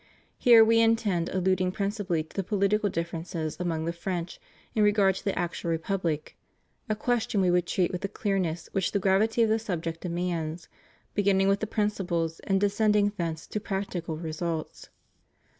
Here We intend alluding principally to the political differences among the French in regard to the actual republic — a question We would treat with the clearness which the gravity of the subject demands, beginning with the prin ciples and descending thence to practical results.